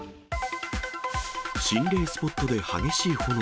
心霊スポットで激しい炎。